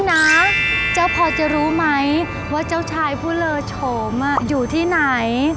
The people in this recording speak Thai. นะเจ้าพอจะรู้ไหมว่าเจ้าชายผู้เลอโฉมอยู่ที่ไหน